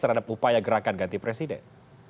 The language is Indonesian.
terhadap upaya gerakan ganti presiden